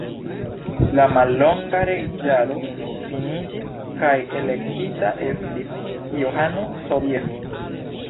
La mallonga reĝado finiĝis kaj elektita estis Johano Sobieski.